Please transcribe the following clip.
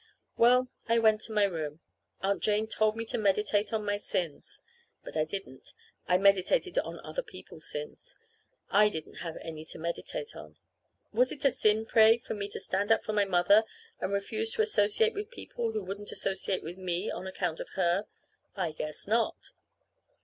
Well, I went to my room. Aunt Jane told me to meditate on my sins. But I didn't. I meditated on other people's sins. I didn't have any to meditate on. Was it a sin, pray, for me to stand up for my mother and refuse to associate with people who wouldn't associate with me on account of her? I guess not!